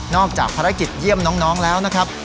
จากภารกิจเยี่ยมน้องแล้วนะครับ